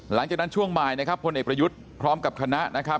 หลังจากนั้นช่วงบ่ายนะครับพลเอกประยุทธ์พร้อมกับคณะนะครับ